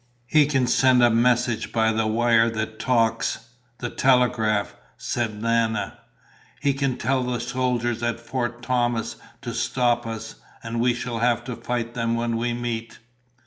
"He can send a message by the wire that talks, the telegraph," said Nana. "He can tell the soldiers at Fort Thomas to stop us, and we shall have to fight them when we meet."